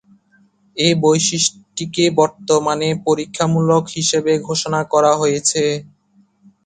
এই বৈশিষ্ট্যটিকে বর্তমানে "পরীক্ষামূলক" হিসেবে ঘোষণা করা হয়েছে।